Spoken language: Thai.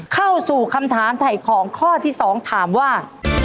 เข้าสู่คำถามถ่ายของข้อที่๒ถามว่า